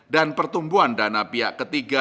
dan pertumbuhan dana pihak ketiga